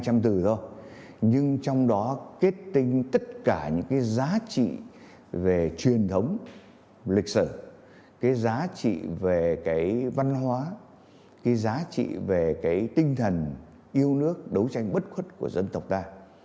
tất cả những cái giá trị về truyền thống lịch sử cái giá trị về cái văn hóa cái giá trị về cái tinh thần yêu nước đấu tranh bất khuất của dân tộc ta